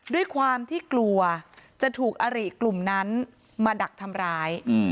ด้วยความที่กลัวจะถูกอริกลุ่มนั้นมาดักทำร้าย